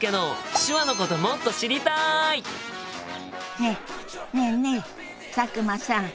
ねえねえねえ佐久間さん。